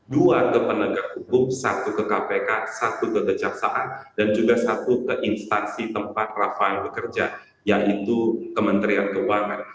dua ke penegak hukum satu ke kpk satu ke kejaksaan dan juga satu ke instansi tempat rafael bekerja yaitu kementerian keuangan